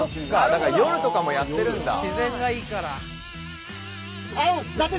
だから夜とかもやってるんだ。